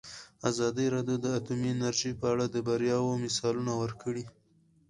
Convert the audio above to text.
ازادي راډیو د اټومي انرژي په اړه د بریاوو مثالونه ورکړي.